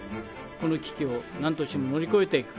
この危機をなんとしても乗り越えていく。